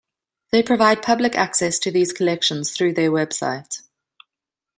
They provide public access to these collections through their website.